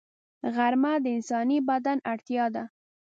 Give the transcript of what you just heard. غرمه د انساني بدن اړتیا ده